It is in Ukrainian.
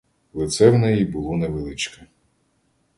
Лице в неї було невеличке.